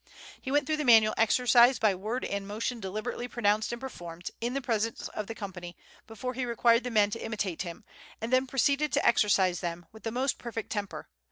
He went through the manual exercise by word and motion deliberately pronounced and performed, in the presence of the company, before he required the men to imitate him, and then proceeded to exercise them, with the most perfect temper....